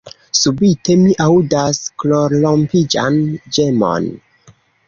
Subite, mi aŭdas korrompiĝan ĝemon.